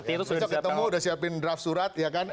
besok ketemu udah siapin draft surat ya kan